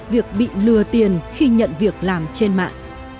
việc bị lừa tiền khi nhận việc làm trên mạng